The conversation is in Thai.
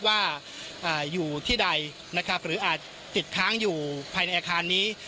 ว่าอยู่ที่ใดนะครับหรืออาจติดค้างอยู่ภายในอาคารนี้